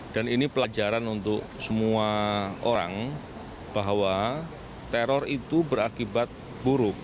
dan ini pelajaran untuk semua orang bahwa teror itu berakibat buruk